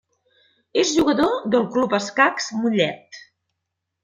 És jugador del Club Escacs Mollet.